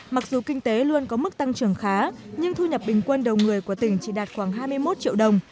mặc dù kinh tế luôn có mức tăng trưởng khá nhưng thu nhập bình quân đầu người của tỉnh chỉ đạt khoảng hai mươi một triệu đồng